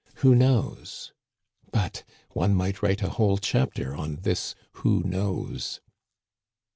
Who knows? But one might write a whole chapter on this who knows."